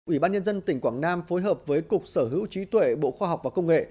ủy ban nhân dân tỉnh quảng nam phối hợp với cục sở hữu trí tuệ bộ khoa học và công nghệ